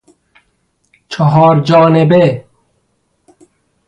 چهار جانبه